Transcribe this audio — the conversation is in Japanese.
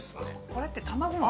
これって卵の。